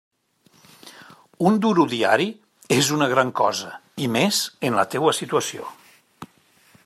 Un duro diari és una gran cosa, i més en la teua situació.